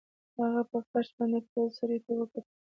هغه په فرش باندې پروت سړي ته وکتل